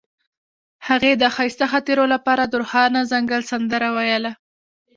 هغې د ښایسته خاطرو لپاره د روښانه ځنګل سندره ویله.